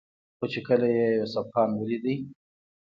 خو چې کله يې يوسف خان وليدو